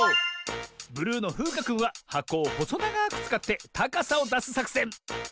ブルーのふうかくんははこをほそながくつかってたかさをだすさくせん。